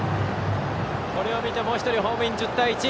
これを見てもう１人ホームイン１０対１。